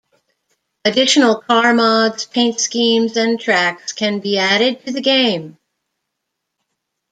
Additional car mods, paint schemes and tracks can be added to the game.